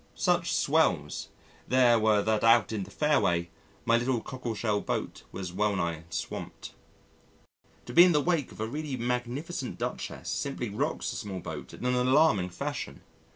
Such "swells" there were that out in the fairway, my little cockle shell boat was wellnigh swamped. To be in the wake of a really magnificent Duchess simply rocks a small boat in an alarming fashion.